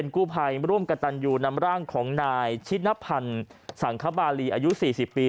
กู้ภัยร่วมกับตันยูนำร่างของนายชินพันธ์สังคบารีอายุ๔๐ปี